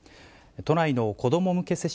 都内の子ども向け